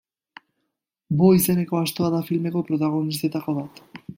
Bo izeneko astoa da filmeko protagonistetako bat da.